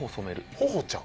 ほほちゃう？